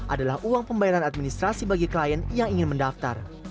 adalah uang pembayaran administrasi bagi klien yang ingin mendaftar